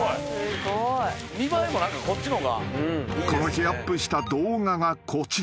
［この日アップした動画がこちら］